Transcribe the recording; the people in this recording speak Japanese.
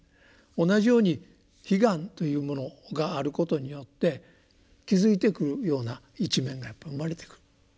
同じように悲願というものがあることによって気付いてくるような一面が生まれてくる。